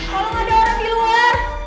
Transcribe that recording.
tolong ada orang di luar